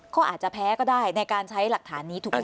ก็อาจจะแพ้ก็ได้ในการใช้หลักฐานนี้ถูกไหมค